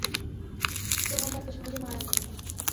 তোমাকে এত সহজে মারা যাবে না।